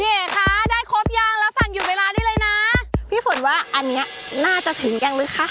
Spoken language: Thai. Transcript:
เอ๋คะได้ครบยังแล้วสั่งหยุดเวลาได้เลยนะพี่ฝนว่าอันนี้น่าจะถึงยังมื้อคะ